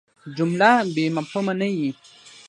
جمله بېمفهومه نه يي.